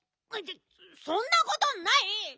そんなことない！